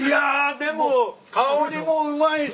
でも香りもうまいし。